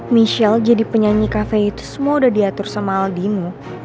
michelle jadi penyanyi kafe itu semua udah diatur sama aldimu